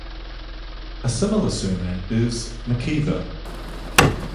A similar surname is "McKeever".